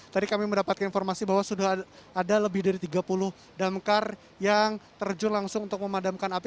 tadi kami mendapatkan informasi bahwa sudah ada lebih dari tiga puluh damkar yang terjun langsung untuk memadamkan api